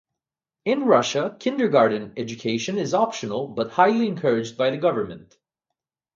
In Russia, kindergarten education is optional but highly encouraged by the government.